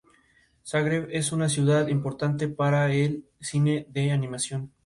Desde entonces ha escrito muchos otros libros y artículos.